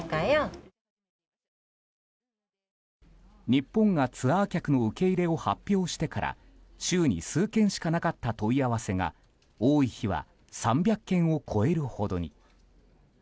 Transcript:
日本がツアー客の受け入れを発表してから週に数件しかなかった問い合わせが多い日は３００件を超えるほどに。